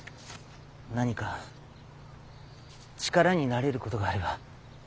何か力になれることがあれば。